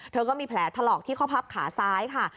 ก็มีแผลถลอกที่ข้อพับขาซ้ายค่ะ